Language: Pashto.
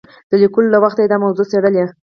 د لیکلو له وخته یې دا موضوع څېړلې.